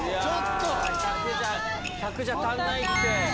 １００じゃ、足んないって。